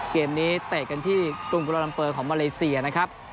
เกมนี้เตะกันที่กรุงกุลาลัมเปอร์ของมาเลเซียนะครับ